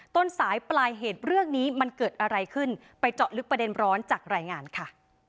ต้นสายปลายเหตุเรื่องนี้มันเกิดอะไรขึ้นไปเจาะลึกประเด็นร้อนจากรายงานค่ะ